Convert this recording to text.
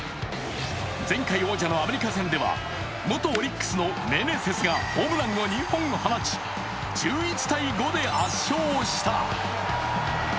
前回王者のアメリカ戦では、元オリックスのメネセスがホームランを２本放ち、１１−５で圧勝した。